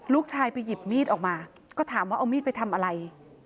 ลูกชายไปหยิบมีดออกมาก็ถามว่าเอามีดไปทำอะไร